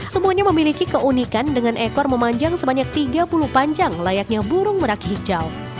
semuanya memiliki keunikan dengan ekor memanjang sebanyak tiga puluh panjang layaknya burung merak hijau